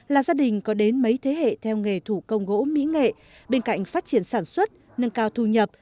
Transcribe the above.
là gia đình có đến mấy thế hệ theo nghề thủ công gỗ mỹ nghệ bên cạnh phát triển sản xuất nâng cao thu nhập